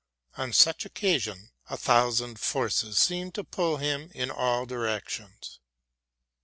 On such occasion a thousand forces seemed to pull him in all directions.